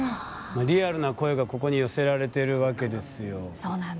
リアルな声がここに寄せられてるわけですよ。